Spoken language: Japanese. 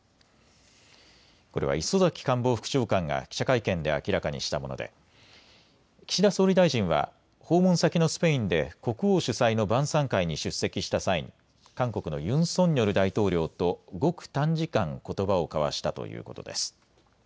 これは磯崎官房副長官が記者会見で明らかにしたもので岸田総理大臣は訪問先のスペインで国王主催の晩さん会に出席した際に韓国のユンソンによる大統領とごく短時間ことばを交わしたということです。